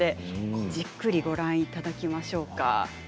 じっくりご覧いただきましょうか。